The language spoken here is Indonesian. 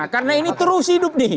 karena ini terus hidup nih